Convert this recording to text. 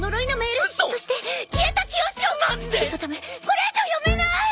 これ以上読めない！